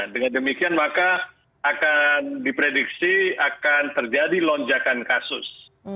dengan demikian maka akan diprediksi akan terjadi lonjakan kasus